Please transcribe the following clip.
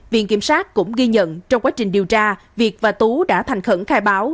viện kiểm sát cũng ghi nhận trong quá trình điều tra việt và tú đã thành khẩn khai báo